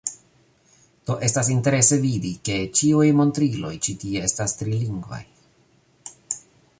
Do, estas interese vidi, ke ĉiuj montriloj ĉi tie estas trilingvaj